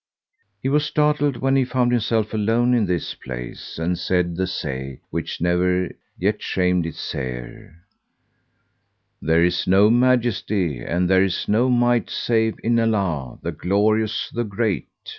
He was startled when he found himself alone in this place and said the say which ne'er yet shamed its sayer, "There is no Majesty and there is no Might save in Allah, the Glorious, the Great!"